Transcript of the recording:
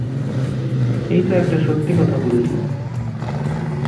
এই তো একটা সত্যি কথা বললি।